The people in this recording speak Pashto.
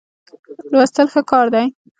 لوستل ښه کار دی.